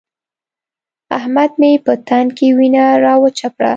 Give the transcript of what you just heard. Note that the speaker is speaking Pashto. احمد مې په تن کې وينه راوچه کړه.